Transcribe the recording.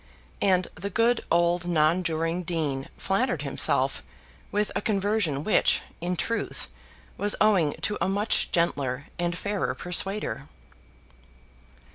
And the good old nonjuring Dean flattered himself with a conversion which, in truth, was owing to a much gentler and fairer persuader.